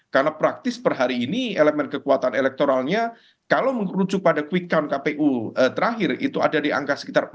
karena praktis per hari ini elemen kekuatan elektoralnya kalau menuju pada quick count kpu terakhir itu ada di angka sekitar empat dua